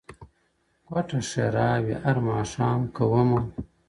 كوټه ښېراوي هر ماښام كومه”